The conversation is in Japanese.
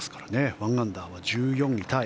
１アンダーは１４位タイ。